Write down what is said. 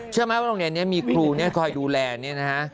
เชื่อไหมว่าโรงเรียนนี้มีครูคอยดูแลเนี่ยนะฮะ